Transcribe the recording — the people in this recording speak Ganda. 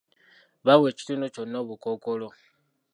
Baawa ekitundu kyonna obukookolo.